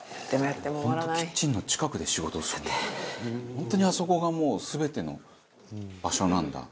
「本当にあそこがもう全ての場所なんだ」